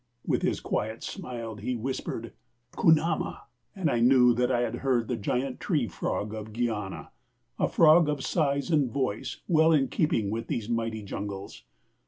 With his quiet smile he whispered, 'Kunama,' and I knew I had heard the giant tree frog of Guiana a frog of size and voice well in keeping with these mighty jungles.